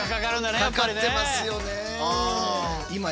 かかってますよね。